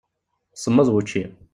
Semmeḍ wučči.